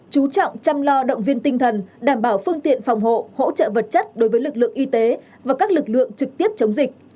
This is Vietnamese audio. chú trọng chăm lo động viên tinh thần đảm bảo phương tiện phòng hộ hỗ trợ vật chất đối với lực lượng y tế và các lực lượng trực tiếp chống dịch